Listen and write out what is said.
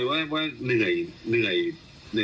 เดี๋ยวไปฟังเสียงสัมภาษณ์ของพี่เปิ้ลกันหน่อยนะคะ